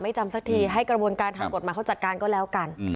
จำสักทีให้กระบวนการทางกฎหมายเขาจัดการก็แล้วกัน